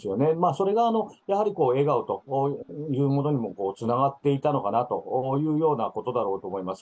それがやはりこう、笑顔というものにもつながっていたのかなというようなことだろうと思います。